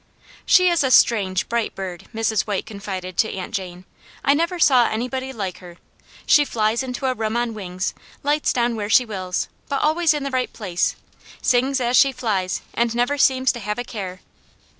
" She IS a strange, bright bird," Mrs. White con fided to Aunt Jane. " I never saw anybody like her. She flies into a room on wings, lights down where she will, but always in the right place, sings as she flies, and never seems to have a care."